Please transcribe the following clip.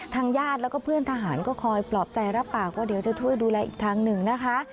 ญาติแล้วก็เพื่อนทหารก็คอยปลอบใจรับปากว่าเดี๋ยวจะช่วยดูแลอีกทางหนึ่งนะคะ